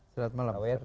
selamat malam pak wawir